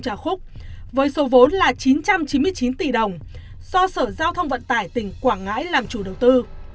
trà khúc với số vốn là chín trăm chín mươi chín tỷ đồng do sở giao thông vận tải tỉnh quảng ngãi làm chủ đầu tư